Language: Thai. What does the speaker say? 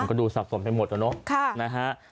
ก็ดูสับสมให้หมดแล้วเนอะ